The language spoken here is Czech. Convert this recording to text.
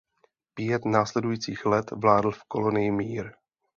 Pět následujících let vládl v kolonii mír.